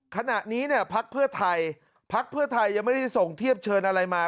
ขณะนี้เนี่ยพักเพื่อไทยพักเพื่อไทยยังไม่ได้ส่งเทียบเชิญอะไรมา